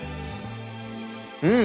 うん！